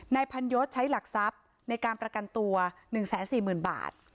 นายพันยศใช้หลักทรัพย์ในการประกันตัวหนึ่งแสนสี่หมื่นบาท